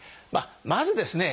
まずですね